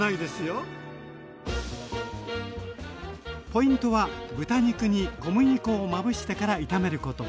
ポイントは豚肉に小麦粉をまぶしてから炒めること。